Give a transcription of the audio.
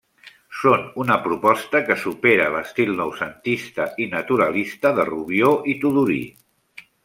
Són una proposta que supera l'estil noucentista i naturalista de Rubió i Tudurí.